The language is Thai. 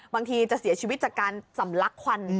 บางทีจะเสียชีวิตจากการสำลักควัน